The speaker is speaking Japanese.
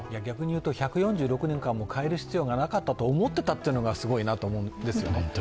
逆に言うと１４６年間も変える必要がなかったと思っていたというのがすごいと思うんですね。